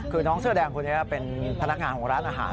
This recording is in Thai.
คือน้องเสื้อแดงคนนี้เป็นพนักงานของร้านอาหาร